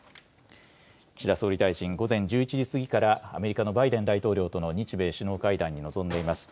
岸田総理大臣、午前１１時過ぎからアメリカのバイデン大統領との日米首脳会談に臨んでいます。